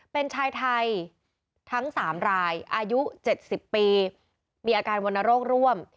เป็นชายไทยทั้งสามรายอายุเจ็ดสิบปีมีอาการวนโรคร่วม